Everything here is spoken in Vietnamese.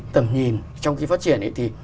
tầm nhìn trong khi phát triển thì